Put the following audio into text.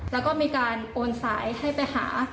แล้วก็มีการโอนสายให้ไปหา